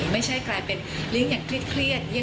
ไม่ใช่กลายเป็นลิงก์อย่างเครียด